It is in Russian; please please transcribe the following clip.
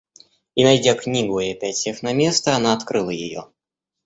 И, найдя книгу и опять сев на место, она открыла ее.